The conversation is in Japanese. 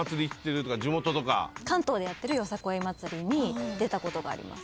関東でやってるよさこい祭りに出たことがあります。